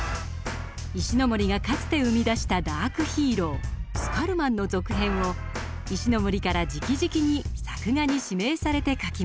石森がかつて生み出したダークヒーロー「スカルマン」の続編を石森からじきじきに作画に指名されて描きました。